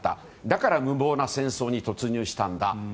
だから無謀な戦争に突入したんだと。